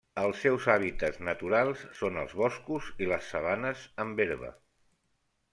Els seus hàbitats naturals són els boscos i les sabanes amb herba.